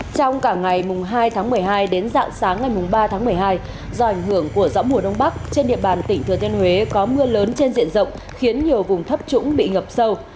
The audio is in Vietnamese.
trong cả ngày hai tháng một mươi hai đến dạng sáng ngày ba tháng một mươi hai do ảnh hưởng của gió mùa đông bắc trên địa bàn tỉnh thừa thiên huế có mưa lớn trên diện rộng khiến nhiều vùng thấp trũng bị ngập sâu